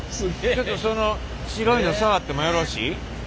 ちょっとその白いの触ってもよろしい？